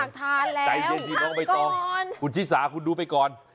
อยากทานแล้วทำก่อนคุณชิสาคุณดูไปก่อนใจเย็นที่น้องไปต้อง